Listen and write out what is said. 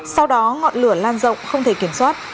sau đó ngọn lửa lan rộng không thể kiểm soát